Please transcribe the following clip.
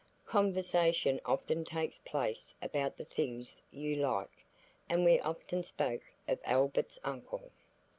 Conversation often takes place about the things you like, and we often spoke of Albert's uncle.